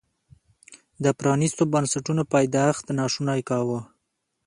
د پرانیستو بنسټونو پیدایښت ناشونی کاوه.